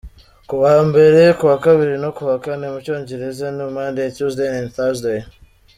Kuwa mbere, kuwa kabiri no kuwa kane mu cyongereza ni : Monday , Tuesday and Thursaday.